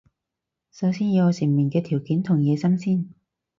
首先要有成名嘅條件同野心先